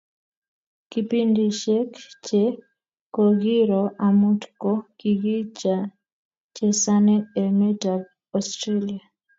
kipindisheck che kokiroo amut ko kikichesane emet ab Australia